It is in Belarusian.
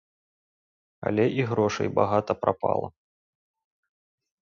Але і грошай багата прапала!